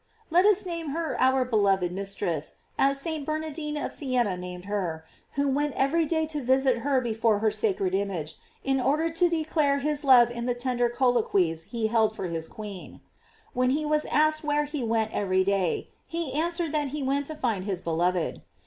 " J Let us name her our beloved mistress, as St. Bernardine of Sienna named her, who went every day to visit her before her sacred image, in order to declare his love in the tender collo quies he held with his queen. When he was asked where he went every day, he answered that he went to find his beloved.